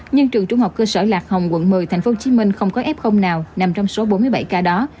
nhưng trường trung học cơ sở lạc hồng quận một mươi tp hcm không có f nào nằm trong số bốn mươi bảy ca đó